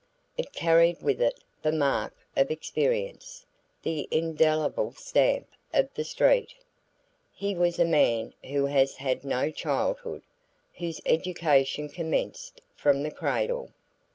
It carried with it the mark of experience, the indelible stamp of the street. He was a man who has had no childhood, whose education commenced from the cradle.